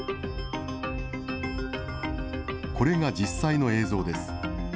これが実際の映像です。